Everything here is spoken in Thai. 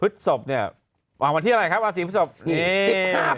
พฤทธิศพวางมาที่อะไรครับราศีพฤทธิศพ